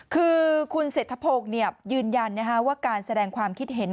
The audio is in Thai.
คือคุณเศรษฐพงศ์ยืนยันว่าการแสดงความคิดเห็น